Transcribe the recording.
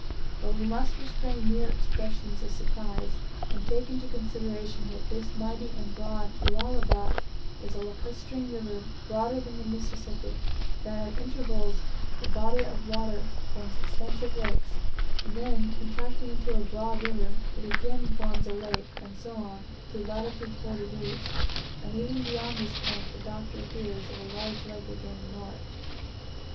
But we must restrain mere expressions of surprise, and take into consideration that this mighty and broad Lualaba is a lacustrine river broader than the Mississippi; that at intervals the body of water forms extensive lakes; then, contracting into a broad river, it again forms a lake, and so on, to lat. 4 degrees; and even beyond this point the Doctor hears of a large lake again north.